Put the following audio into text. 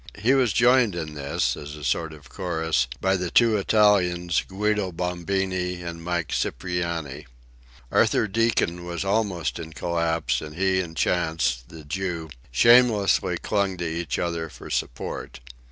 He was joined in this, as a sort of chorus, by the two Italians, Guido Bombini and Mike Cipriani. Arthur Deacon was almost in collapse, and he and Chantz, the Jew, shamelessly clung to each other for support.